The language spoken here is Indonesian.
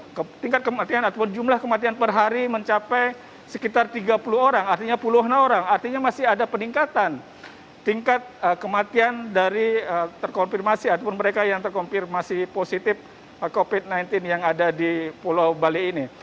karena tingkat kematian ataupun jumlah kematian per hari mencapai sekitar tiga puluh orang artinya puluhan orang artinya masih ada peningkatan tingkat kematian dari terkonfirmasi ataupun mereka yang terkonfirmasi positif covid sembilan belas yang ada di pulau bali ini